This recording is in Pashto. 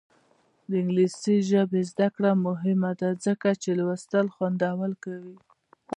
د انګلیسي ژبې زده کړه مهمه ده ځکه چې لوستل خوندور کوي.